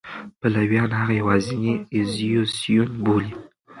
پلویان هغه یوازینی اپوزېسیون بولي.